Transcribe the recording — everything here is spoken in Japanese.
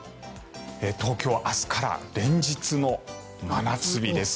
東京、明日から連日の真夏日です。